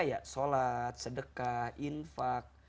kayak sholat sedekah infaq